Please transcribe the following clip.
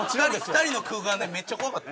２人の空間でめっちゃ怖かった。